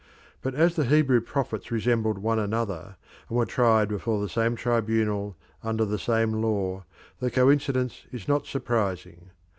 But as the Hebrew prophets resembled one another, and were tried before the same tribunal under the same law, the coincidence is not surprising.